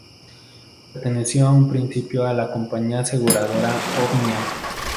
Perteneció en un principio a la compañía aseguradora Omnia.